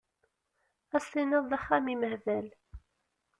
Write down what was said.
Ad s-tiniḍ d axxam imehbal!